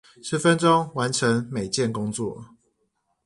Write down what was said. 十分鐘完成每件工作